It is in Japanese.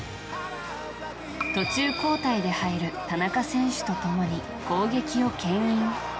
途中交代で入る田中選手と共に攻撃を牽引。